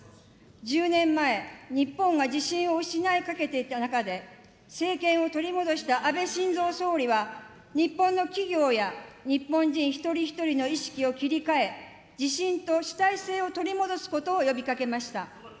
１０年前、日本が自信を失いかけていた中で、政権を取り戻した安倍晋三総理は、日本の企業や、日本人一人一人の意識を切り替え、自信と主体性を取り戻すことを呼びかけました。